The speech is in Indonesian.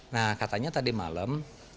nah katanya tadi malam